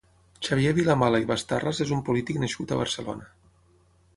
Xavier Vilamala i Bastarras és un polític nascut a Barcelona.